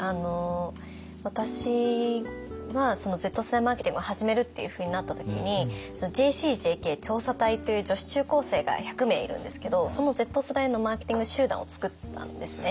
私はＺ世代マーケティングを始めるっていうふうになった時にＪＣＪＫ調査隊という女子中高生が１００名いるんですけどそのＺ世代のマーケティング集団を作ったんですね。